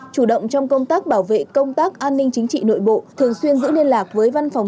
chủ động trong công tác bảo vệ công tác an ninh chính trị nội bộ thường xuyên giữ liên lạc với văn phòng